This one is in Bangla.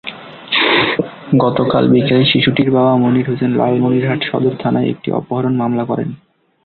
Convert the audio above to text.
গতকাল বিকেলে শিশুটির বাবা মনির হোসেন লালমনিরহাট সদর থানায় একটি অপহরণ মামলা করেন।